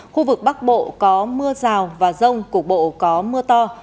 khu vực bắc bộ có mưa rào và rông cục bộ có mưa to